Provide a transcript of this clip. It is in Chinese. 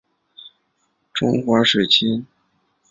中华水芹是伞形科水芹属的植物。